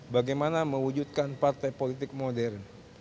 bagaimana mewujudkan partai politik modern